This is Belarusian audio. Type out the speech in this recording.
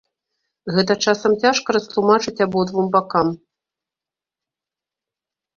Гэта часам цяжка растлумачыць абодвум бакам.